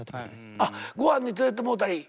あ御飯に連れてってもうたり。